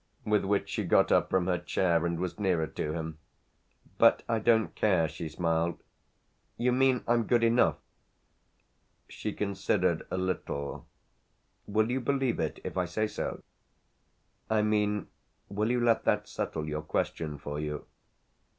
With which she got up from her chair and was nearer to him. "But I don't care," she smiled. "You mean I'm good enough?" She considered a little. "Will you believe it if I say so? I mean will you let that settle your question for you?"